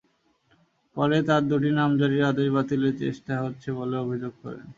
পরে তাঁর দুটি নামজারির আদেশ বাতিলের চেষ্টা হচ্ছে বলেও অভিযোগ করেন।